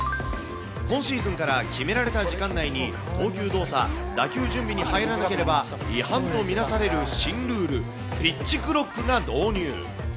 今シーズンから決められた時間内に投球動作、打球準備に入らなければ違反と見なされる新ルール、ピッチクロックが導入。